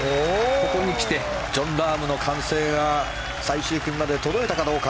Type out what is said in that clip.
ここに来てジョン・ラームの歓声が最終組まで届いたかどうか。